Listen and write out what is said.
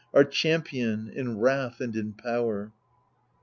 Our champion, in wrath and in power